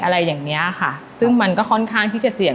อะไรอย่างเงี้ยค่ะซึ่งมันก็ค่อนข้างที่จะเสี่ยง